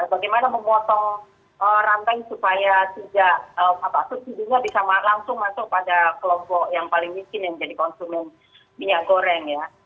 bagaimana memotong rantai supaya tidak subsidinya bisa langsung masuk pada kelompok yang paling miskin yang jadi konsumen minyak goreng ya